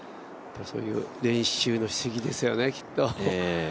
練習のしすぎですよね、きっと。